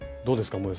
どうですか？